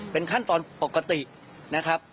เป็นขั้นตอนปกตินะครับ